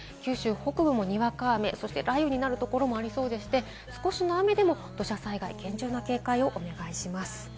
九州北部もにわか雨、雷雨になるところもありそうでして、少しの雨でも土砂災害、厳重な警戒をお願いします。